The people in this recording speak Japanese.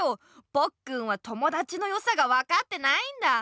ポッくんは友だちのよさがわかってないんだ。